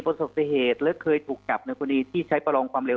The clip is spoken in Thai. ประสบเหตุและเคยถูกจับในคดีที่ใช้ประลองความเร็ว